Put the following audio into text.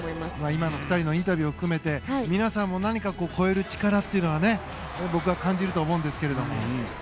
今の２人のインタビューを含めて、皆さんも超える力を僕は感じると思うんですけど。